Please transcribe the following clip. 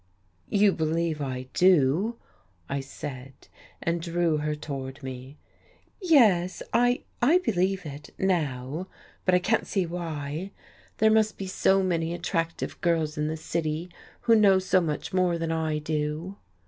"You believe I do," I said, and drew her toward me. "Yes, I I believe it, now. But I can't see why. There must be so many attractive girls in the city, who know so much more than I do."